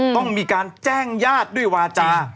ต้องมีการแจ้งญาติด้วยวาจา